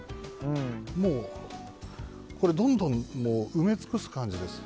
もうどんどん埋め尽くす感じです。